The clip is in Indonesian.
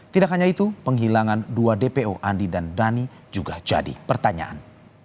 tidak hanya itu penghilangan dua dpo andi dan dhani juga jadi pertanyaan